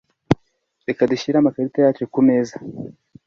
Reka dushyire amakarita yacu kumeza.